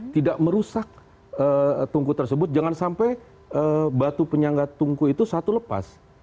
tidak merusak tungku tersebut jangan sampai batu penyangga tungku itu satu lepas